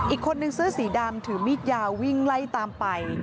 อีกคนนึงเสื้อสีดำถือมีดยาววิ่งไล่ตามไป